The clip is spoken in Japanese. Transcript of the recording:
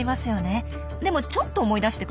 でもちょっと思い出してください。